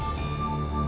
ambil tuan tuhan